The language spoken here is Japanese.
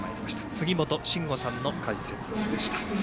杉本真吾さんの解説でした。